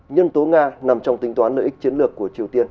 nhân tố nga nằm trong tính toán lợi ích chiến lược của triều tiên